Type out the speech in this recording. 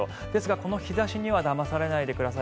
この日差しにはだまされないでください。